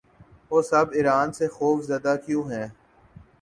وہ سب ایران سے خوف زدہ کیوں ہیں؟